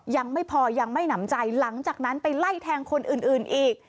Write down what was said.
ยังไม่พอยังไม่หนำใจหลังจากนั้นไปไล่แทงคนอื่นอีก